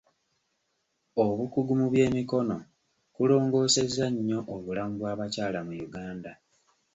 Obukugu mu by'emikono kulongoosezza nnyo obulamu bw'abakyala mu Uganda.